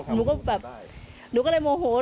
หนูก็แบบหนูก็เลยโมโห